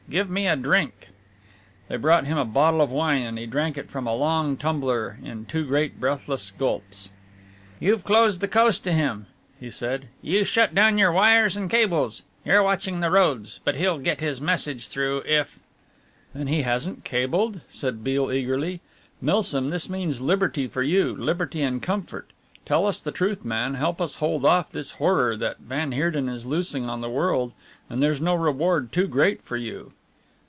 Give me a drink!" They brought him a bottle of wine, and he drank it from a long tumbler in two great breathless gulps. "You've closed the coast to him," he said, "you shut down your wires and cables, you're watching the roads, but he'll get his message through, if " "Then he hasn't cabled?" said Beale eagerly. "Milsom, this means liberty for you liberty and comfort. Tell us the truth, man, help us hold off this horror that van Heerden is loosing on the world and there's no reward too great for you."